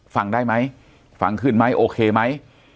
ฟังได้ไหมฟังขึ้นไหมโอเคไหม